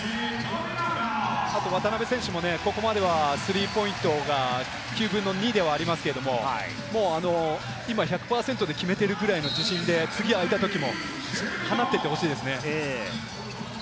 渡邊選手もここまではスリーポイントが９分の２ではありますけれども、今１００％で決めているくらいの自信で次あいたときも、放っていってほしいですね。